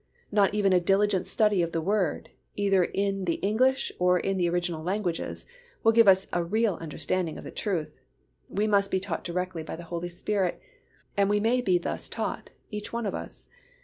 Not even a diligent study of the Word either in the English or in the original languages will give us a real understanding of the truth. We must be taught directly by the Holy Spirit and we may be thus taught, each one of us.